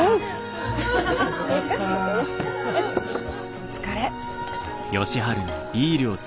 お疲れ。